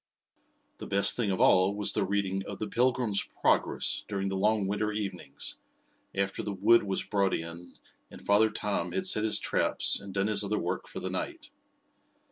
The best thing of all was the reading of "The Pilgrim's Progress" during the long Winter evenings, after the wood was brought in and Father Tom had set his traps and done his other work for the night.